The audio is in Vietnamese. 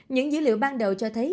những dữ liệu ban đầu cho thấy